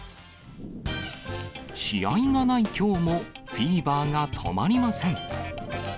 試合がないきょうも、フィーバーが止まりません。